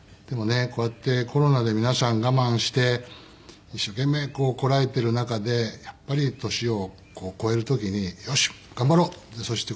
でもねこうやってコロナで皆さん我慢して一生懸命こらえてる中でやっぱり年を越える時によし頑張ろう！